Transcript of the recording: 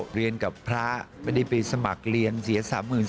เรียนกับพระไม่ได้ไปสมัครเรียนเสีย๓๔๐๐